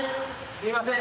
すいません。